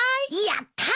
やった！